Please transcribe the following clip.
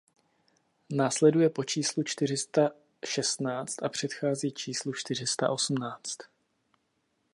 Následuje po číslu čtyři sta šestnáct a předchází číslu čtyři sta osmnáct.